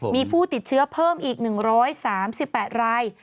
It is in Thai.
มีผู้ติดเชื้อเพิ่มอีก๑๓๘ราย